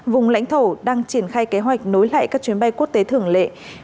vùng lãnh thổ đang triển khai kế hoạch nối lại các chuyến bay quốc tế thường lệ